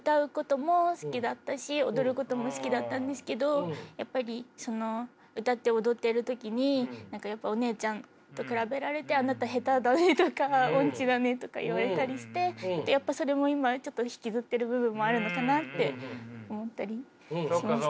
昔はやっぱりその歌って踊ってる時に何かやっぱお姉ちゃんと比べられてあなた下手だねとか音痴だねとか言われたりしてやっぱそれも今ちょっと引きずってる部分もあるのかなって思ったりしました。